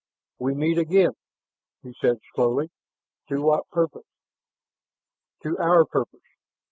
"We meet again," he said slowly. "To what purpose?" "To our purpose